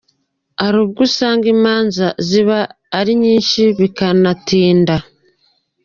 Hari ubwo usanga imanza ziba ari nyinshi bikanatinda.